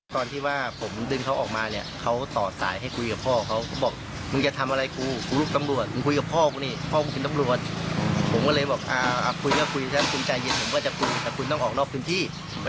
ชายวัยรุ่นคนนั้นก็เข้ามามอบตัวกับตำรวจแล้วนะคะ